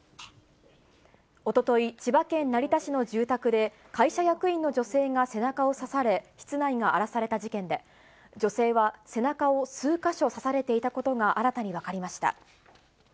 おととい、千葉県成田市の住宅で、会社役員の女性が背中を刺され、室内が荒らされた事件で、女性は背中を数か所刺されていたことが新たに分かりました。